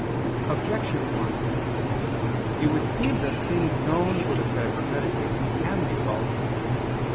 Objection 1: It would seem that things known or declared prophetically can be false.